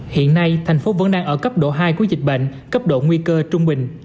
hiện nay thành phố vẫn đang ở cấp độ hai của dịch bệnh cấp độ nguy cơ trung bình